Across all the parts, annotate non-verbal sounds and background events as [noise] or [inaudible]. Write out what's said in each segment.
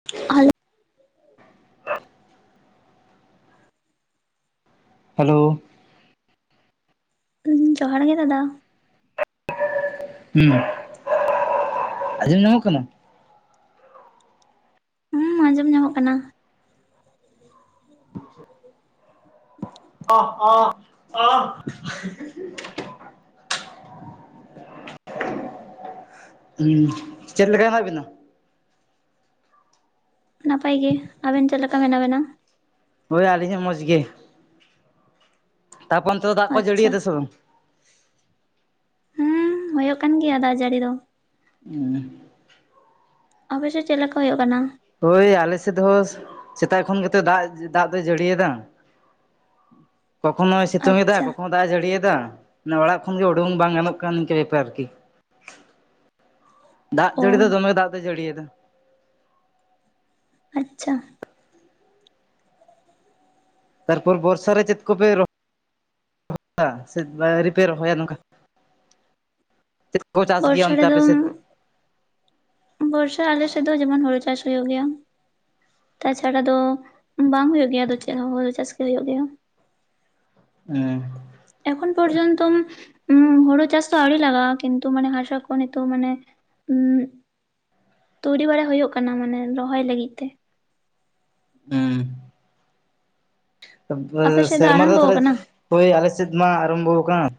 [inaudible] [inaudible] Hello ᱩᱸᱢ ᱡᱚᱦᱟᱨ ᱜᱮ ᱫᱟᱫᱟ ᱟᱸᱡᱚᱢ ᱧᱟᱢᱚᱜ ᱠᱟᱱᱟ ᱦᱚᱸ ᱟᱸᱡᱚᱢ ᱧᱟᱢᱚᱜ ᱠᱟᱱᱟ [inaudible] [unintelligible] ᱦᱩᱸ ᱪᱮᱫ ᱞᱮᱠᱟ ᱦᱮᱱᱟᱜ ᱵᱤᱱᱟ? ᱱᱟᱯᱟᱭ ᱜᱮ ᱟᱵᱮᱱ ᱪᱮᱫ ᱞᱮᱠᱟ ᱢᱮᱱᱟᱜ ᱵᱮᱱᱟ? ᱦᱳᱭ ᱟᱞᱤᱧ ᱦᱚᱸ ᱢᱚᱡᱽ ᱜᱮ ᱾ ᱛᱟᱯᱚᱨ ᱚᱱᱛᱮ ᱫᱚ ᱫᱟᱜ ᱠᱚᱭ ᱡᱟᱹᱲᱤ ᱟᱪᱪᱷᱟ ᱮᱫᱟ ᱥᱮ ᱵᱟᱝ? ᱦᱩᱸ ᱦᱩᱭᱩᱜ ᱠᱟᱱ ᱜᱮᱭᱟ ᱫᱟᱜ ᱡᱟᱹᱲᱤ ᱫᱚ᱾ ᱩᱧᱻ ᱟᱵᱮᱸ ᱥᱮ ᱪᱮᱫ ᱞᱮᱠᱟ ᱦᱩᱭᱩᱜ ᱠᱟᱱᱟ? ᱳᱭ ᱟᱞᱮ ᱥᱮᱫ ᱦᱚᱸ ᱥᱮᱛᱟᱜ ᱠᱷᱚᱱ ᱜᱮᱛᱚ ᱫᱟᱜ ᱫᱟᱜ ᱫᱚᱭ ᱡᱟᱹᱲᱤᱭᱮᱫᱟ [inaudible] ᱠᱚᱠᱷᱚᱱᱳᱭ ᱥᱤᱛᱩᱝ ᱮᱫᱟ ᱟᱪᱪᱷᱟ ᱠᱚᱠᱷᱚᱱᱳ ᱫᱟᱜ ᱮ ᱡᱟᱹᱲᱤᱭᱮᱫᱟ ᱢᱟᱱᱮ ᱚᱲᱟᱜ ᱠᱷᱚᱱ ᱜᱮ ᱩᱰᱩᱝ ᱵᱟᱝ ᱜᱟᱱᱚᱜ ᱠᱟᱱᱟ ᱱᱤᱝᱠᱟᱹ ᱵᱮᱯᱟᱨ ᱟᱨᱠᱤ ᱫᱟᱜ ᱚ ᱡᱟᱹᱲᱤ ᱫᱚ ᱫᱚᱢᱮ ᱫᱟᱜ ᱫᱚ ᱡᱟᱹᱲᱤᱭᱮᱫᱟ ᱫᱚ ᱟᱪᱪᱷᱟ ᱛᱟᱨᱯᱚᱨ ᱵᱚᱨᱥᱟ ᱨᱮ ᱪᱮᱫ ᱠᱚᱯᱮᱼᱼ [inaudible] ᱥᱮ ᱟᱣᱨᱤ ᱯᱮ ᱨᱚᱦᱚᱭᱟ ᱱᱚᱝᱠᱟᱼᱼ ᱪᱟᱥ ᱜᱮᱭᱟ ᱵᱚᱨᱥᱟ ᱚᱱᱛᱮ ᱨᱮᱫᱚ ᱟᱯᱮ ᱥᱮᱫ ᱵᱚᱨᱥᱟ ᱟᱞᱮ ᱥᱮᱫ ᱫᱚ ᱡᱮᱢᱚᱱ ᱦᱩᱲᱩ ᱪᱟᱥ ᱦᱩᱭᱩᱜ ᱜᱮᱭᱟ ᱛᱟᱪᱷᱟᱲᱟ ᱫᱚ ᱵᱟᱝ ᱦᱳᱭᱳᱜ ᱜᱮᱭᱟ ᱟᱫᱚ ᱪᱮᱫ ᱦᱚᱸ ᱦᱳᱲᱳ ᱪᱟᱥ ᱜᱮ ᱦᱳᱭᱳᱜ ᱜᱮᱭᱟ ᱦᱮᱸ ᱮᱠᱷᱚᱱ ᱯᱚᱨᱡᱚᱱᱛᱚᱢ ᱦᱩᱲᱩ ᱪᱟᱥ ᱫᱚ ᱟᱣᱲᱤ ᱞᱟᱜᱟᱜᱼᱟ ᱠᱤᱱᱛᱩ ᱢᱟᱱᱮ ᱦᱟᱥᱟ ᱠᱚ ᱱᱤᱛᱚᱜ ᱢᱟᱱᱮ [inaudible] ᱛᱩᱭᱲᱤ ᱵᱟᱲᱟ ᱦᱩᱭᱩᱜ ᱠᱟᱱᱟ ᱢᱟᱱᱮ ᱨᱚᱦᱚᱭ ᱞᱟᱹᱜᱤᱫ ᱛᱮ [unintelligible] ᱟᱯᱮ ᱥᱮᱫ ᱫᱚ ᱥᱮᱨᱢᱟ ᱨᱮᱫᱚ ᱟᱨᱟᱢᱵᱚ ᱛᱟᱞᱟᱦᱮ ᱟᱠᱟᱱᱟ ᱳᱭ ᱟᱞᱮ ᱥᱮᱫ ᱢᱟ ᱟᱨᱚᱢᱵᱚ ᱟᱠᱟᱱᱼᱼ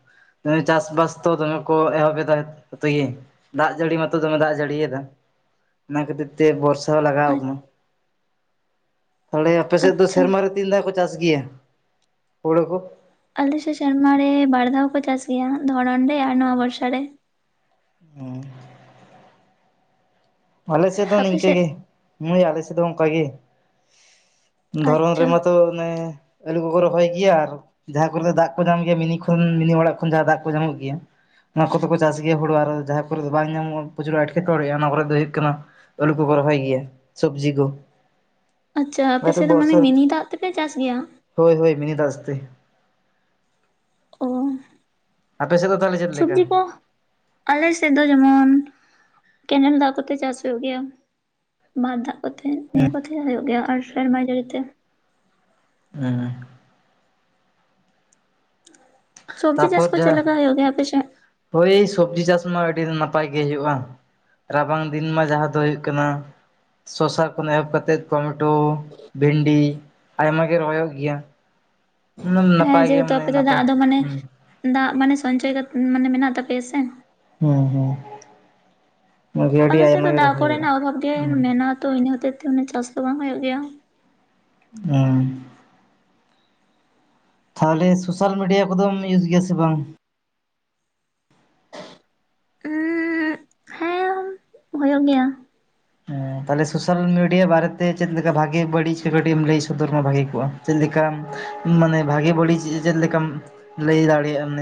ᱪᱟᱥ ᱵᱟᱥ ᱛᱚ ᱫᱚᱢᱮ ᱠᱚ ᱮᱦᱚᱵ ᱮᱫᱟ [inaudible] ᱛᱚ ᱜᱮ ᱫᱟᱜ ᱡᱟᱹᱲᱤ ᱢᱟᱛᱚ ᱫᱚᱢᱮ ᱫᱟᱜ ᱡᱟᱹᱲᱤᱭᱮᱫᱟ ᱚᱱᱟ ᱠᱷᱟᱹᱛᱤᱨ ᱛᱮ ᱵᱚᱨᱥᱟ ᱞᱟᱜᱟᱣ ᱠᱟᱱᱟ ᱛᱟᱦᱮ ᱟᱯᱮ ᱥᱮᱫ ᱫᱚ ᱟᱪᱪᱷᱟ ᱥᱮᱨᱢᱟ ᱨᱮ ᱛᱤᱱ ᱫᱷᱟᱼᱼ ᱪᱟᱥ ᱜᱮᱭᱟ ᱦᱩᱲᱩ ᱠᱚ ᱟᱞᱮ ᱥᱮᱫ ᱥᱮᱨᱢᱟ ᱨᱮ ᱵᱟᱨ ᱫᱷᱟᱣ ᱠᱚ ᱪᱟᱥ ᱜᱮᱭᱟ, ᱫᱷᱚᱨᱚᱱ ᱨᱮ ᱟᱨ ᱱᱚᱣᱟ ᱵᱚᱨᱥᱟ ᱨᱮ [unintelligible] ᱟᱞᱮ ᱥᱮᱫ ᱫᱚ ᱱᱤᱝᱠᱟᱹ ᱦᱟᱯᱮᱥᱮᱫ ᱜᱮ ᱢᱟᱹᱭ ᱟᱞᱮ ᱥᱮᱫ ᱫᱚ ᱚᱱᱠᱟ ᱜᱮ ᱫᱷᱚᱨᱚᱱ ᱟᱪᱪᱷᱟ ᱨᱮᱢᱟᱛᱚ ᱚᱱᱮᱼᱼ ᱟᱞᱩ ᱠᱚᱠᱚ ᱨᱚᱦᱚᱭ ᱜᱮᱭᱟ ᱟᱨ ᱡᱟᱦᱟᱸ ᱠᱚᱨᱮ ᱫᱟᱜ ᱠᱚ ᱧᱟᱢ ᱜᱮᱭᱟ ᱢᱤᱱᱤ ᱠᱷᱚᱱ ᱢᱤᱱᱤ ᱚᱲᱟᱜ ᱠᱷᱚᱱ ᱡᱟᱦᱟᱸ ᱫᱟᱜ ᱠᱚ ᱧᱟᱢᱚᱜ ᱜᱮᱭᱟ ᱚᱱᱟ ᱠᱚᱫᱚ ᱠᱚ ᱪᱟᱥ ᱜᱮᱭᱟ ᱦᱩᱲᱩ ᱟᱨ ᱡᱟᱦᱟᱸ ᱠᱚᱨᱮ ᱫᱚ ᱵᱟᱝ ᱧᱟᱢᱚᱜ ᱯᱨᱚᱪᱩᱨ ᱮᱴᱠᱮᱴᱚᱬᱮᱜᱼᱟ ᱚᱱᱟ ᱠᱚᱨᱮᱫ ᱫᱚ ᱦᱩᱭᱩᱜ ᱠᱟᱱᱟ ᱟᱹᱞᱩ ᱠᱚᱠᱚ ᱨᱚᱦᱚᱭ ᱜᱮᱭᱟ ᱥᱚᱵᱽᱡᱤ ᱠᱚ ᱟᱪᱪᱷᱟ ᱟᱯᱮ ᱥᱮᱫ ᱫᱚ ᱢᱟᱱᱮ ᱵᱚᱨᱥᱟ ᱢᱤᱱᱤ ᱫᱟᱜ ᱛᱮᱯᱮ ᱪᱟᱥ ᱜᱮᱭᱟ ᱦᱳᱭ ᱦᱳᱭ ᱢᱤᱱᱤ ᱫᱟᱜ ᱛᱮ ᱚ ᱟᱯᱮ ᱥᱮᱫ ᱫᱚ ᱛᱟᱦᱚᱞᱮ ᱪᱮᱫ ᱞᱮᱠᱟ ᱥᱚᱵᱽᱡᱤ ᱠᱚ ᱟᱞᱮ ᱥᱮᱫ ᱫᱚ ᱡᱮᱢᱚᱱ ᱠᱮᱸᱱᱮᱞ ᱫᱟᱜ ᱠᱚᱛᱮ ᱪᱟᱥ ᱦᱩᱭᱩᱜ ᱜᱮᱭᱟ ᱢᱟ [inaudible] ᱫᱟᱜ ᱠᱚᱛᱮ ᱱᱤᱭᱟᱹ ᱠᱚᱛᱮ ᱦᱩᱭᱩᱜ ᱜᱮᱭᱟ ᱟᱨ ᱥᱮᱨᱢᱟ ᱡᱟᱹᱲᱤ ᱛᱮ ᱦᱮᱸ ᱥᱚᱵᱽᱡᱤ ᱪᱟᱥ ᱛᱟᱯᱚᱨ ᱠᱚ ᱪᱮᱫ ᱡᱟᱦᱟᱸ ᱞᱮᱠᱟ ᱦᱩᱭᱩᱜ ᱜᱮᱭᱟ ᱟᱯᱮᱥᱮᱫ? ᱦᱳᱭ ᱥᱚᱵᱽᱡᱤ ᱪᱟᱥ ᱢᱟ ᱟᱹᱰᱤ ᱱᱟᱯᱟᱭ ᱜᱮ ᱦᱩᱭᱩᱜᱼᱟ ᱨᱟᱵᱟᱝ ᱫᱤᱱ ᱢᱟ ᱡᱟᱦᱟᱸ ᱫᱚ ᱦᱩᱭᱩᱜ ᱠᱟᱱᱟ ᱥᱚᱥᱟ ᱠᱷᱚᱱ ᱮᱦᱚᱯ ᱠᱟᱛᱮᱫ ᱴᱚᱢᱮᱴᱳ ᱵᱷᱤᱱᱰᱤ ᱟᱭᱢᱟ ᱜᱮ ᱨᱚᱦᱚᱭᱚᱜ ᱜᱮᱭᱟ ᱦᱮᱸ ᱱᱟᱯᱟᱭ ᱜᱮ ᱡᱮᱦᱮᱛᱩ ᱟᱯᱮ ᱢᱟᱱᱮ ᱫᱚ ᱫᱟᱜ ᱱᱟᱯᱟᱭ ᱫᱚ ᱢᱟᱱᱮ ᱦᱩᱸ ᱫᱟᱜ ᱢᱟᱱᱮ ᱥᱚᱧᱪᱚᱭ ᱠᱟᱛᱮ ᱢᱟᱱᱮ ᱢᱮᱱᱟᱜ ᱛᱟᱯᱮᱭᱟ ᱥᱮ ᱦᱮᱸ ᱦᱮᱸ ᱢᱟᱡᱷᱮ ᱟᱹᱰᱤ ᱟᱞᱮ ᱥᱮᱫ ᱫᱚ ᱟᱭᱢᱟ ᱜᱮ ᱫᱟᱜ ᱨᱚᱦᱚᱭ ᱦᱩᱭᱩᱜᱼᱟ ᱠᱚᱨᱮᱱᱟᱜ ᱚᱵᱷᱟᱵ ᱜᱮ ᱦᱮᱸ ᱢᱮᱱᱟᱜᱼᱟ ᱛᱚ ᱤᱱᱟ ᱦᱚᱛᱮᱡ ᱛᱮ ᱪᱟᱥ ᱫᱚ ᱵᱟᱝ ᱦᱩᱭᱩᱜ ᱜᱮᱭᱟᱼᱼ ᱦᱮᱸ ᱛᱟᱦᱚᱞᱮ ᱥᱳᱥᱟᱞ ᱢᱤᱰᱤᱭᱟ ᱠᱚᱫᱚᱢ ᱤᱭᱩᱡ ᱜᱮᱭᱟ ᱥᱮ ᱵᱟᱝ? ᱦᱮᱸ [unintelligible] ᱦᱳᱭᱳᱜ ᱜᱮᱭᱟ ᱦᱮᱸ ᱛᱟᱦᱚᱞᱮ ᱥᱳᱥᱟᱞ ᱢᱤᱰᱤᱭᱟ ᱵᱟᱨᱮ ᱛᱮ ᱪᱮᱫ ᱞᱮᱠᱟ ᱵᱷᱟᱜᱤ ᱵᱟᱹᱲᱤᱡ ᱠᱟᱹᱴᱤᱡ ᱮᱢ ᱞᱟᱹᱭ ᱥᱚᱫᱚᱨ ᱢᱟ ᱵᱷᱟᱜᱤ ᱠᱚᱜᱼᱟ? ᱪᱮᱫ ᱞᱮᱠᱟᱢ? ᱢᱟᱱᱮ ᱵᱷᱟᱜᱮ ᱵᱟᱹᱲᱤᱡ ᱪᱮᱫ ᱞᱮᱠᱟᱢ ᱞᱟᱹᱭ ᱫᱟᱲᱮᱭᱟᱜᱼᱟᱢ?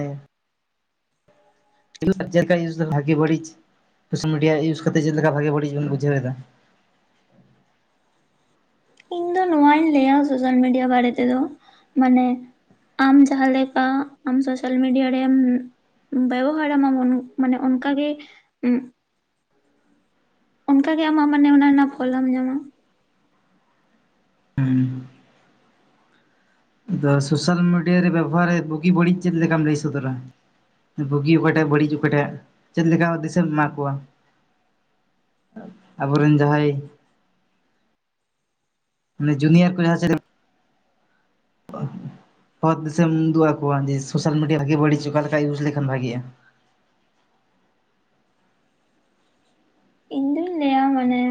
ᱵᱷᱟᱜᱤ ᱵᱟᱹᱲᱤᱡ ᱥᱳᱥᱟᱞ ᱢᱤᱰᱤᱭᱟ ᱤᱭᱩᱡᱽ ᱠᱟᱛᱮ ᱪᱮᱫ ᱞᱮᱠᱟ ᱵᱷᱟᱜᱮ ᱵᱟᱹᱲᱤᱡ ᱵᱚᱱ ᱵᱩᱡᱷᱟᱹᱣ ᱮᱫᱟ? ᱤᱧ ᱫᱚ ᱱᱚᱣᱟᱧ ᱞᱟᱹᱭᱟ ᱥᱳᱥᱟᱞ ᱢᱤᱰᱤᱭᱟ ᱵᱟᱨᱮ ᱛᱮᱫᱚ ᱢᱟᱱᱮ ᱟᱢ ᱡᱟᱦᱟ ᱞᱮᱠᱟ ᱟᱢ ᱥᱳᱥᱟᱞ ᱢᱮᱰᱤᱭᱟ ᱨᱮᱢᱼᱼ ᱵᱮᱵᱚᱦᱟᱨᱟ ᱢᱟᱵᱚᱱ ᱢᱟᱱᱮ ᱚᱱᱠᱟᱜᱮ ᱩᱸᱼᱼ ᱚᱱᱠᱟ ᱜᱮ ᱟᱢᱟᱜ ᱢᱟᱱᱮ ᱚᱱᱟ ᱨᱮᱱᱟᱜ ᱯᱷᱚᱞᱮᱢ ᱧᱟᱢᱟ ᱦᱩᱸᱻ ᱟᱫᱚ ᱥᱳᱥᱟᱞ ᱢᱤᱰᱤᱭᱟ ᱨᱮ ᱵᱮᱵᱚᱦᱟᱨ ᱨᱮ ᱵᱩᱜᱤ ᱵᱟᱹᱲᱤᱡ ᱪᱮᱫ ᱞᱮᱠᱟᱢ ᱞᱟᱹᱭ ᱥᱚᱫᱚᱨᱟ? ᱵᱩᱜᱤ ᱚᱠᱟᱴᱟᱜ? ᱵᱟᱹᱲᱤᱡ ᱚᱠᱟᱴᱟᱜ ᱪᱮᱫ ᱞᱮᱠᱟ ᱫᱤᱥᱟᱹᱢ ᱮᱢᱟ ᱠᱚᱣᱟ? ᱟᱵᱚ ᱨᱮᱱ ᱡᱟᱦᱟᱸᱭ ᱢᱟᱱᱮ ᱡᱩᱱᱤᱭᱟᱨ ᱠᱚ ᱡᱟᱦᱟᱸ [inaudible] ᱦᱚᱨ ᱫᱤᱥᱟᱹᱢ ᱩᱫᱩᱜ ᱟᱠᱚᱣᱚ ᱡᱮ ᱥᱳᱥᱟᱞ ᱢᱤᱰᱤᱭᱟ ᱵᱷᱟᱜᱤ ᱵᱟᱹᱲᱤᱡᱽ ᱚᱠᱟ ᱞᱮᱠᱟ ᱤᱭᱩᱡᱽ ᱞᱮᱠᱷᱟᱱ ᱵᱷᱟᱜᱮᱜᱼᱟ ᱤᱧ ᱫᱩᱧ ᱞᱟᱹᱭᱟ ᱢᱟᱱᱮ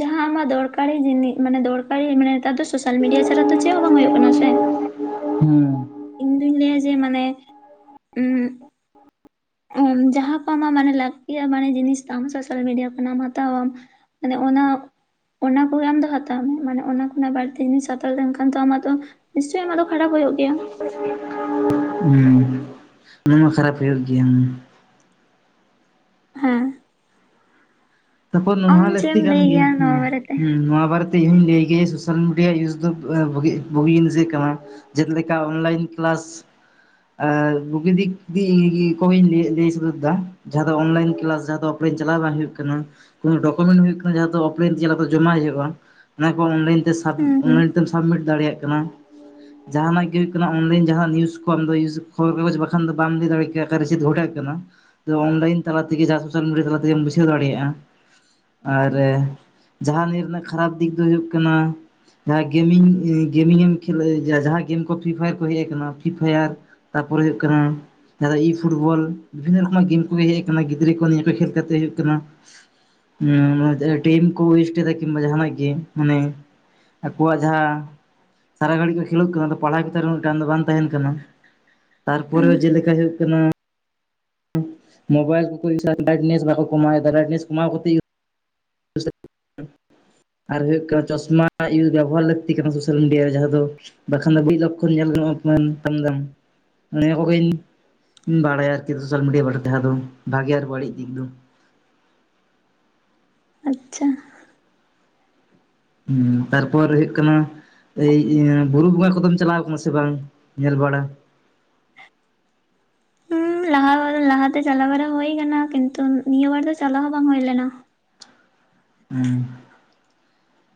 ᱡᱟᱦᱟᱸ ᱟᱢᱟᱜ ᱫᱚᱨᱠᱟᱨᱤ ᱡᱤᱱᱤᱥ ᱢᱟᱱᱮ ᱫᱚᱨᱠᱟᱨᱤ ᱢᱟᱱᱮ ᱱᱮᱛᱟᱨ ᱫᱚ ᱥᱳᱥᱟᱞ ᱢᱤᱰᱤᱭᱟ ᱪᱷᱟᱲᱟ ᱫᱚ ᱪᱮᱫ ᱦᱚᱸ ᱵᱟᱝ ᱦᱩᱭᱩᱜ ᱠᱟᱱᱟ ᱥᱮ [inaudible] ᱦᱮᱸ ᱤᱧ ᱫᱩᱧ ᱞᱟᱹᱭᱟ ᱡᱮ ᱢᱟᱱᱮ ᱩᱸᱻ ᱡᱟᱦᱟᱸ ᱠᱚ ᱟᱢᱟᱜ ᱢᱟᱱᱮ ᱞᱟᱹᱠᱛᱤᱭᱟ ᱢᱟᱱᱮ ᱡᱤᱱᱤᱥ ᱛᱟᱢ ᱥᱳᱥᱟᱞ ᱢᱤᱰᱤᱭᱟ ᱠᱷᱚᱱᱟᱜ ᱮᱢ ᱦᱟᱛᱟᱣᱟᱢ ᱢᱟᱱᱮ ᱚᱱᱟ ᱚᱱᱟ ᱠᱚᱜᱮ ᱟᱢ ᱫᱚ ᱦᱟᱛᱟᱣ ᱢᱮ ᱢᱟᱱᱮ ᱚᱱᱟ ᱠᱷᱚᱱᱟᱜ ᱵᱟᱹᱲᱛᱤ ᱡᱤᱱᱤᱥ ᱦᱟᱛᱟᱣ ᱞᱮᱱᱠᱷᱟᱱ ᱫᱚ ᱟᱢᱟᱜ ᱫᱚ ᱱᱤᱥᱪᱳᱭ ᱟᱢᱟᱜ ᱫᱚ ᱠᱷᱟᱨᱟᱯ ᱦᱳᱭᱳᱜ ᱜᱮᱭᱟ [inaudible] ᱦᱮᱸ ᱱᱚᱶᱟ ᱢᱟ ᱠᱷᱟᱨᱟᱯ ᱦᱩᱭᱩᱜ ᱜᱮᱭᱟ ᱦᱮᱸ ᱛᱟᱯᱚᱨ ᱱᱚᱶᱟ ᱟᱢ ᱦᱚᱸ ᱪᱮᱫ ᱞᱟᱹᱠᱛᱤ ᱮᱢ ᱠᱟᱱ ᱞᱟᱹᱭ ᱜᱮᱭᱟ ᱦᱮᱸ ᱱᱚᱣᱟ ᱵᱟᱨᱮᱛᱮ ᱦᱮᱸ ᱱᱚᱶᱟ ᱵᱟᱨᱮ ᱛᱮ ᱤᱧᱦᱩᱧ ᱞᱟᱹᱭ ᱜᱮᱭᱚ ᱥᱳᱥᱟᱞ ᱢᱤᱰᱤᱭᱟ ᱤᱭᱩᱡᱽ ᱫᱚ [unintelligible] ᱵᱩᱜᱤ ᱡᱤᱱᱤᱥ ᱜᱮ ᱠᱟᱱᱟ ᱡᱮᱫ ᱞᱮᱠᱟ ᱚᱱᱞᱟᱭᱤᱱ ᱠᱟᱞᱟᱥ ᱟᱨ ᱵᱩᱜᱤ ᱫᱤᱠ ᱫᱤ [unintelligible] ᱥᱚᱫᱚᱫᱼᱫᱟ ᱡᱟᱦᱟᱸ ᱫᱚ ᱚᱱᱞᱟᱭᱤᱱ ᱠᱟᱞᱟᱥ ᱡᱟᱦᱟᱸ ᱫᱚ ᱚᱯᱷᱞᱟᱭᱤᱱ ᱪᱟᱞᱟᱣ ᱵᱟᱝ ᱦᱩᱭᱩᱜ ᱠᱟᱱᱟ [unintelligible] ᱰᱚᱠᱚᱢᱮᱱᱴ ᱦᱩᱭᱩᱜ ᱠᱟᱱᱟ ᱡᱟᱦᱟᱸ ᱫᱚ ᱚᱯᱞᱟᱭᱤᱱ ᱛᱮ [unintelligible] ᱡᱚᱢᱟ ᱦᱩᱭᱩᱜᱼᱟ ᱚᱱᱟ ᱠᱚ ᱚᱱᱞᱟᱭᱤᱱ ᱛᱮ ᱥᱟᱵᱽ ᱦᱩᱸ ᱦᱩᱸ ᱚᱱᱞᱟᱭᱤᱱ ᱛᱮᱢ [unintelligible] ᱥᱟᱵᱽᱢᱤᱴ ᱫᱟᱲᱮᱭᱟᱜ ᱠᱟᱱᱟ ᱡᱟᱦᱟᱱᱟᱜ ᱜᱮ ᱦᱩᱭᱩᱜ ᱠᱟᱱᱟ ᱚᱱᱞᱟᱭᱤᱱ ᱡᱟᱦᱟᱸᱱᱟᱜ ᱱᱤᱭᱩᱡᱽ ᱠᱚ ᱟᱢᱫᱚ [unintelligible] [unintelligible] ᱠᱷᱚᱵᱚᱨ ᱠᱟᱜᱚᱡᱽ ᱵᱟᱠᱷᱟᱱ ᱫᱚ ᱵᱟᱢ ᱞᱟᱹᱭ ᱫᱟᱲᱮ ᱠᱮᱭᱟ [unintelligible] ᱠᱟᱱᱟ [unintelligible] ᱚᱱᱞᱟᱭᱤᱱ ᱛᱟᱞᱟ ᱛᱮᱜᱮ ᱡᱟ ᱥᱳᱥᱟᱞ ᱢᱤᱰᱤᱭᱟ ᱛᱟᱞᱟ ᱛᱮᱜᱮᱢ ᱵᱩᱡᱷᱟᱹᱣ ᱫᱟᱲᱮᱭᱟᱜᱼᱟ ᱟᱨ ᱡᱟᱦᱟᱸ ᱱᱤᱭᱟᱹ ᱨᱮᱱᱟᱜ ᱠᱷᱟᱨᱟᱯ ᱫᱤᱠ ᱫᱚ ᱦᱩᱭᱩᱜ ᱠᱟᱱᱟ ᱡᱟᱦᱟᱸ ᱜᱮᱢᱤᱧ ᱟᱹ ᱜᱮᱢᱤᱝᱮ ᱮᱢ ᱠᱷᱮᱞ ᱡᱟ ᱡᱟᱦᱟᱸ ᱜᱮᱢ ᱠᱚ ᱯᱷᱤᱨᱤ ᱯᱷᱟᱭᱟᱨ ᱠᱚ ᱦᱮᱡ ᱟᱠᱟᱱᱟ ᱯᱷᱤᱨᱤ ᱯᱷᱟᱭᱟᱨ ᱛᱟᱨᱯᱚᱨᱮ ᱦᱩᱭᱩᱜ ᱠᱟᱱᱟ ᱡᱟᱦᱟᱸ ᱤ ᱯᱷᱩᱴᱵᱚᱞ ᱵᱤᱵᱷᱤᱱᱚ ᱨᱚᱠᱚᱢ ᱜᱮᱢ ᱠᱚ ᱦᱮᱡ ᱟᱠᱟᱱᱟ ᱜᱤᱫᱽᱨᱟᱹ ᱠᱚ ᱱᱤᱭᱟᱹ ᱠᱚ ᱠᱷᱮᱞ ᱠᱟᱛᱮᱜ ᱦᱩᱭᱩᱜ ᱠᱟᱱᱟ [unintelligible] ᱴᱮᱢ ᱠᱚ ᱳᱭᱮᱥᱴᱮᱫᱟ ᱠᱤᱢᱵᱟ ᱡᱟᱦᱟᱸᱱᱟᱜ ᱜᱮ ᱢᱟᱱᱮ ᱟᱠᱚᱣᱟᱜ ᱡᱟᱦᱟᱸ ᱥᱟᱨᱟ ᱜᱷᱟᱹᱲᱤᱡ ᱠᱚ ᱠᱷᱮᱞᱳᱜ ᱠᱟᱱᱟ ᱟᱫᱚ ᱯᱟᱲᱦᱟᱣ ᱪᱮᱛᱟᱱ ᱨᱮ ᱩᱱᱟᱹᱜ ᱴᱟᱱ ᱫᱚ ᱵᱟᱝ ᱛᱟᱦᱮᱱ ᱠᱟᱱᱟ ᱦᱩᱸ ᱛᱟᱨᱯᱚᱨᱮ ᱡᱮᱞᱮᱠᱟ ᱦᱩᱭᱩᱜ ᱠᱟᱱᱟ ᱢᱳᱵᱟᱭᱤᱞ ᱠᱚ ᱠᱚ [unintelligible] ᱵᱟᱠᱚ ᱠᱚᱢᱟᱣᱮᱫᱟ ᱵᱨᱟᱭᱤᱴᱱᱮᱥ ᱠᱚᱢᱟᱣ ᱠᱟᱛᱮ ᱤᱭᱩ [inaudible] [unintelligible] ᱟᱨ ᱦᱩᱭᱩᱜ ᱠᱟᱱᱟ ᱪᱚᱥᱢᱟ ᱤᱭᱩ ᱵᱮᱵᱚᱦᱟᱨ ᱞᱟᱹᱠᱛᱤ ᱠᱟᱱᱟ ᱥᱳᱥᱟᱞ ᱢᱤᱰᱤᱭᱟ ᱨᱮ ᱡᱟᱦᱟᱸ ᱫᱚ ᱵᱟᱠᱷᱟᱱ ᱫᱚ ᱢᱤᱫ ᱞᱚᱠᱠᱷᱚᱱ ᱧᱮᱞ [unintelligible] [unintelligible] ᱱᱤᱭᱟᱹ ᱠᱚᱜᱮᱧ ᱵᱟᱲᱟᱭᱟ ᱟᱨᱠᱤ ᱥᱳᱥᱟᱞ ᱢᱤᱰᱤᱭᱟ ᱵᱟᱨᱮ ᱛᱟᱦᱮᱸ ᱫᱚ ᱵᱷᱟᱜᱮ ᱟᱨ ᱵᱟᱹᱲᱤᱡ ᱫᱤᱠ ᱫᱚ ᱟᱪᱷᱟ ᱦᱮᱸ ᱛᱟᱨᱯᱚᱨ ᱦᱩᱭᱩᱜ ᱠᱟᱱᱟ ᱮᱭ ᱤᱭᱟᱹ ᱵᱩᱨᱩ ᱵᱚᱸᱜᱟ ᱠᱚᱫᱚᱢ ᱪᱟᱞᱟᱣ ᱠᱟᱱᱟ ᱥᱮ ᱵᱟᱝ ᱧᱮᱞ ᱵᱟᱲᱟ ᱩᱸᱢ ᱞᱟᱦᱟ [unintelligible] ᱞᱟᱦᱟᱛᱮ ᱪᱟᱞᱟᱣ ᱵᱟᱲᱟ ᱦᱩᱭ ᱠᱟᱱᱟ ᱠᱤᱱᱛᱩ ᱱᱤᱭᱟᱹ ᱵᱟᱨ ᱫᱚ ᱪᱟᱞᱟᱣ ᱦᱚᱸ ᱵᱟᱝ ᱦᱩᱭ ᱞᱮᱱᱟ ᱦᱩᱸ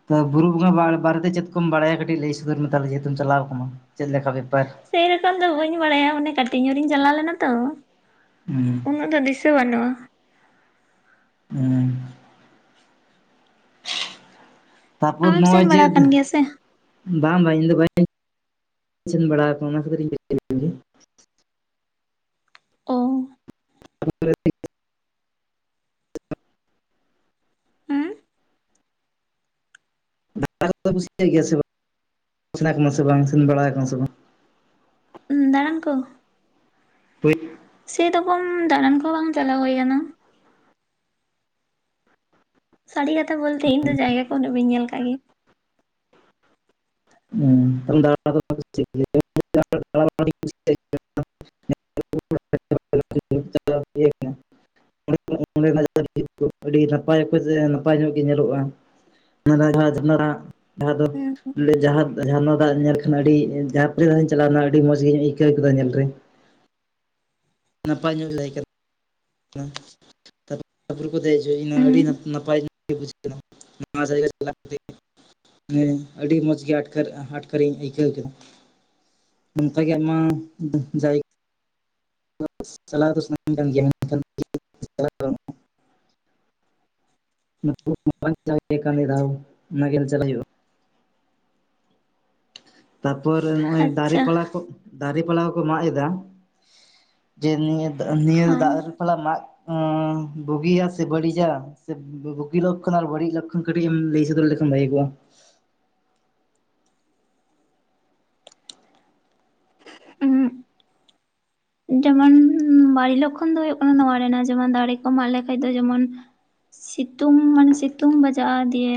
ᱛᱚ ᱵᱩᱨᱩ ᱵᱚᱸᱜᱟ ᱵᱟ ᱵᱟᱨᱮᱛᱮ ᱪᱮᱫ ᱠᱚᱢ ᱵᱟᱲᱟᱭᱟ ᱠᱟᱹᱴᱤᱡ ᱞᱟᱹᱭ ᱥᱚᱫᱚᱨ ᱢᱮ ᱛᱟᱦᱞᱮ ᱡᱮᱦᱮᱛᱩᱢ ᱪᱟᱞᱟᱣ ᱟᱠᱟᱱᱟ ᱪᱮᱫ ᱞᱮ ᱞᱮᱠᱟ ᱵᱮᱯᱟᱨ ᱥᱮᱨᱚᱠᱚᱢ ᱫᱚ ᱵᱟᱹᱧ ᱵᱟᱲᱟᱭᱟ ᱢᱟᱱᱮ ᱠᱟᱹᱴᱤᱡ ᱧᱚᱜ ᱨᱤᱧ ᱪᱟᱞᱟᱣ ᱞᱮᱱᱟ ᱛᱚ ᱦᱮᱻᱸ ᱩᱱᱟᱹᱜ ᱫᱚ ᱫᱤᱥᱟᱹ ᱵᱟᱹᱱᱩᱜᱼᱟ ᱦᱩᱸᱻ ᱟᱢᱮᱢ ᱥᱮᱱ ᱵᱟᱲᱟ [unintelligible] ᱟᱠᱟᱱ ᱜᱮᱭᱟ ᱥᱮ [unintelligible] ᱵᱟᱝ ᱵᱟᱝ ᱤᱧ ᱫᱚ ᱵᱟᱹ [inaudible] ᱥᱮᱱ ᱵᱟᱲᱟ [inaudible] ᱚ [inaudible] ᱦᱩᱸ [unintelligible] ᱥᱮ ᱵᱟᱝ ᱥᱮᱱ ᱵᱟᱲᱟ ᱟᱠᱟᱱᱟᱢ ᱥᱮ ᱵᱟᱝ ᱩᱸ ᱫᱟᱬᱟᱱ ᱠᱚ [unintelligible] ᱥᱮ ᱨᱚᱠᱚᱢ ᱫᱟᱬᱟᱱ ᱠᱚᱦᱚᱸ ᱵᱟᱝ ᱪᱟᱞᱟᱣ ᱦᱳᱭ ᱠᱟᱱᱟ᱾ ᱥᱟᱹᱨᱤ ᱠᱟᱛᱷᱟ ᱵᱚᱞᱛᱮ ᱤᱧ ᱫᱚ ᱡᱟᱭᱜᱟ ᱠᱚ ᱩᱱᱟᱹᱜ ᱵᱟᱹᱧ ᱧᱮᱞ ᱠᱟᱜ ᱜᱮ ᱩᱸ [inaudible] [inaudible] [inaudible] ᱟᱹᱰᱤ ᱱᱟᱯᱟᱭ ᱚᱠᱛᱚ ᱥᱮ ᱱᱟᱯᱟᱭ ᱧᱚᱜ ᱜᱮ ᱧᱮᱞᱚᱜ-ᱟ [inaudible] ᱡᱟᱦᱟ ᱫᱚ [inaudible] ᱡᱟᱦᱟᱸ ᱡᱷᱟᱨᱱᱟ ᱫᱟᱜ ᱧᱮᱞ [inaudible] ᱪᱟᱞᱟᱱᱟ ᱟᱹᱰᱤ ᱢᱚᱸᱡᱽ ᱜᱤᱧ ᱟᱹᱭᱠᱟᱹᱣ ᱠᱮᱫᱟ ᱧᱮᱞ ᱨᱮ [inaudible] ᱱᱟᱯᱟᱭ ᱧᱚᱜ ᱞᱟᱹᱭ ᱠᱮᱫ ᱛᱟᱨᱯᱚᱨᱮ ᱫᱮᱡ ᱡᱚᱭᱱᱟ ᱦᱩᱸ ᱟᱹᱰᱤ ᱱᱟᱯᱟᱭ ᱱᱟᱯᱟᱭ [inaudible] ᱱᱚᱣᱟ ᱡᱟᱭᱜᱟ ᱪᱟᱞᱟᱣ ᱠᱟᱛᱮ ᱟᱹᱰᱤ ᱢᱚᱡᱽ ᱢᱚᱡᱽ ᱜᱮ ᱟᱴᱠᱟᱨ, ᱟᱴᱠᱟᱨᱤᱧ ᱟᱹᱭᱠᱟᱹᱣ ᱠᱮᱫᱟ᱾ ᱱᱚᱝᱠᱟ ᱜᱮ ᱟᱭᱢᱟ ᱡᱟᱭᱜᱟ ᱪᱟᱞᱟᱣ ᱫᱚ ᱥᱟᱱᱟᱧ ᱠᱟᱱ ᱜᱮᱭᱟ ᱢᱮᱱᱠᱷᱟᱱ [inaudible] [inaudible] ᱡᱟᱦᱟ ᱜᱮ ᱠᱟᱹᱢᱤ ᱫᱟ ᱚᱱᱟᱜᱮ ᱨᱮᱡᱟᱞ ᱦᱩᱭᱩᱜ-ᱟ ᱛᱟᱨᱯᱚᱨ ᱱᱚᱜ-ᱚᱭ ᱫᱟᱨᱮ ᱟᱪᱪᱷᱟ ᱯᱟᱞᱟ ᱠᱚ, ᱫᱟᱨᱮ ᱯᱟᱞᱟ ᱠᱚᱠᱚ ᱢᱟᱜ ᱮᱫᱟ᱾ ᱡᱮ ᱱᱤᱭᱟᱹ, ᱱᱤᱭᱟᱹ ᱦᱮᱸ ᱫᱟᱜ ᱯᱟᱞᱟ ᱢᱟᱜ ᱵᱩᱜᱤᱭᱟ ᱥᱮ ᱵᱟᱹᱲᱤᱡᱟ? ᱥᱮ ᱵᱩᱜᱤ ᱞᱚᱠᱠᱷᱚᱱ ᱟᱨ ᱵᱟᱹᱲᱤᱡ ᱞᱚᱠᱠᱷᱚᱱ ᱠᱟᱹᱴᱤᱡ ᱮᱢ ᱞᱟᱹᱭ ᱥᱚᱫᱚᱨ ᱞᱮᱠᱷᱟᱱ ᱵᱷᱟᱜᱮ ᱠᱚᱜ-ᱟ᱾ ᱦᱩᱸ ᱡᱮᱢᱚᱱ ᱵᱟ. ᱲᱤᱡ ᱞᱚᱠᱠᱷᱚᱱ ᱫᱚ ᱦᱳᱭᱳᱜ ᱠᱟᱱᱟ ᱱᱚᱣᱟ ᱨᱮᱱᱟᱜ ᱡᱮᱢᱚᱱ ᱫᱟᱨᱮ ᱠᱚ ᱢᱟᱜ ᱞᱮᱠᱷᱟᱱ ᱫᱚ ᱡᱮᱢᱚᱱ ᱥᱤᱛᱩᱝ ᱢᱟᱱᱮ ᱥᱤᱛᱩᱝ ᱵᱟᱡᱟᱜ-ᱟ ᱫᱤᱭᱮ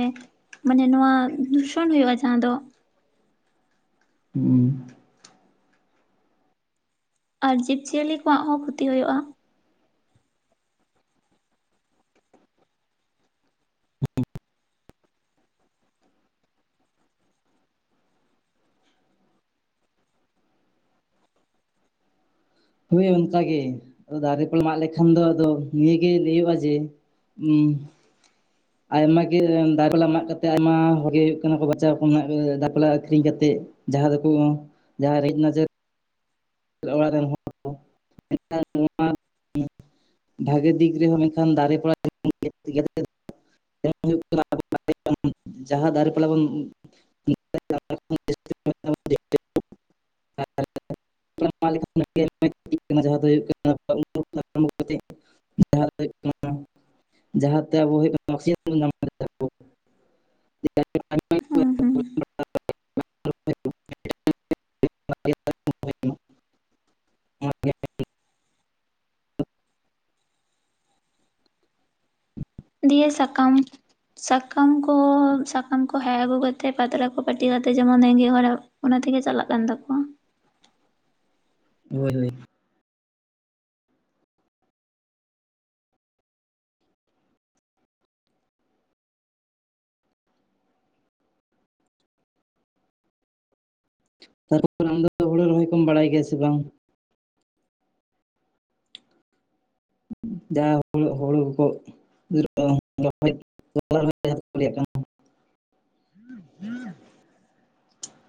ᱢᱟᱱᱮ ᱱᱚᱣᱟ ᱫᱩᱥᱚᱱ ᱦᱳᱭᱳᱜ-ᱟ ᱡᱟᱦᱟᱸ ᱫᱚ᱾ ᱦᱩᱸ ᱟᱨ ᱡᱤᱵ ᱡᱤᱭᱟᱹᱞᱤ ᱠᱚᱣᱟᱜ ᱦᱚᱸ ᱠᱷᱩᱛᱤ ᱦᱳᱭᱳᱜ-ᱟ᱾ ᱦᱳᱭ ᱚᱱᱠᱟᱜᱮ, ᱫᱟᱨᱮ ᱠᱚ ᱢᱟᱜ ᱞᱮᱠᱷᱟᱱ ᱫᱚ ᱟᱫᱚ ᱱᱤᱭᱟᱹᱜᱮ ᱞᱟᱹᱭᱚᱜ-ᱟ ᱡᱮ ᱩᱸ ᱟᱭᱢᱟ ᱜᱮ ᱫᱟᱨᱮ ᱯᱟᱞᱟ ᱢᱟᱜ ᱠᱟᱛᱮ, ᱟᱭᱢᱟ ᱦᱚᱲᱜᱮ ᱦᱳᱭᱳᱜ ᱠᱟᱱᱟ ᱠᱚ ᱵᱟᱪᱟᱣ ᱠᱟᱛᱮ ᱫᱟᱨᱮ ᱯᱟᱞᱟ ᱟᱠᱷᱨᱤᱧ ᱠᱟᱛᱮᱫ᱾ ᱡᱟᱦᱟᱸ ᱫᱚᱠᱚ ᱡᱟᱦᱟᱸ ᱨᱮᱡ ᱱᱟᱪᱟᱨ ᱚᱲᱟᱜ ᱨᱮᱱ ᱦᱚᱲ ᱠᱚ ᱱᱚᱣᱟ [unintelligible] ᱵᱷᱟᱜᱮ ᱫᱤᱠ ᱨᱮᱦᱚᱸ ᱢᱮᱱᱠᱷᱟᱱ ᱫᱟᱨᱮ ᱯᱟᱞᱟ [unintelligible] ᱦᱩᱭᱩᱜ [unintelligible] ᱡᱟᱦᱟᱸ ᱫᱟᱨᱮ ᱯᱟᱞᱟ ᱵᱚᱱ [inaudible] [inaudible] ᱡᱟᱦᱟᱸ ᱫᱚ ᱦᱩᱭᱩᱜ ᱠᱟᱱᱟ [inaudible] [inaudible] ᱦᱩᱸ ᱦᱩᱸ ᱾ [inaudible] [inaudible] ᱫᱤᱭᱮ ᱥᱟᱠᱟᱢ ᱥᱟᱠᱟᱢ ᱠᱚ, ᱥᱟᱠᱟᱢ ᱠᱚ ᱦᱮᱠ ᱟᱹᱜᱩ ᱠᱟᱛᱮ ᱯᱟᱛᱲᱟ ᱠᱚ ᱯᱟᱹᱴᱤ ᱠᱟᱛᱮᱜ ᱡᱮᱢᱚᱱ ᱨᱮᱸᱜᱮ ᱦᱚᱨᱟᱜ ᱾ ᱚᱱᱟ ᱛᱮᱜᱮ ᱪᱟᱞᱟᱜ ᱠᱟᱱ ᱛᱟᱠᱚᱣᱟ᱾ ᱦᱳᱭ ᱦᱳᱭ ᱛᱟᱨᱯᱚᱨ ᱟᱢᱫᱚ ᱦᱳᱲᱳ ᱨᱚᱦᱚᱭ ᱠᱚᱢ ᱵᱟᱲᱟᱭ ᱜᱮᱭᱟ ᱥᱮ ᱵᱟᱝ? ᱡᱟᱦᱟᱸ ᱦᱳᱲᱳ ᱠᱚᱠᱚ ᱤᱨᱚᱜ-ᱟ, ᱨᱚᱦᱚᱭ [inaudible]